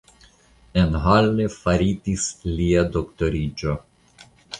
En Halle faritis lia doktoriĝo.